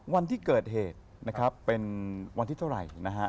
วันที่เกิดเหตุนะครับเป็นวันที่เท่าไหร่นะฮะ